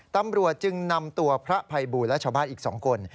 ตำรวจจึงนำตัวพระภัยบูลและชาวบ้านอีก๒คน